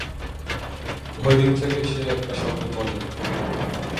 ওইদিন থেকে সে একটা শব্দ বলেনি।